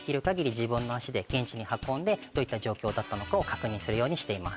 自分の足で現地に運んでどういった状況だったのかを確認するようにしています。